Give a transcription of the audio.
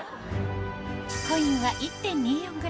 コインは１．２４ｇ